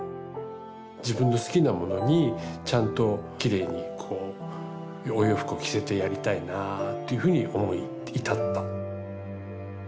自分の好きなものにちゃんときれいにこうお洋服を着せてやりたいなというふうに思い至った。